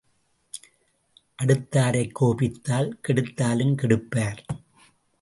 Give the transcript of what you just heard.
அடுத்தாரைக் கோபித்தால் கெடுத்தாலும் கெடுப்பார்.